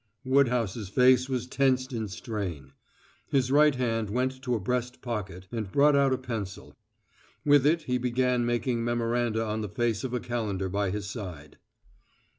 Woodhouse's face was tensed in strain; his right hand went to a breast pocket and brought out a pencil. With it he began making memoranda on the face of a calendar by his side.